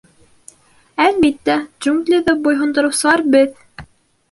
— Әлбиттә, джунглиҙы буйһондороусылар — беҙ!